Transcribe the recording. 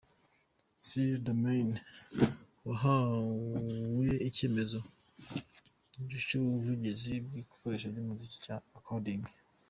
Cyrill Demian yahawe icyemezo cy'ubuvumbuzi bw'igikoresho cy'umuziki cya Accordion.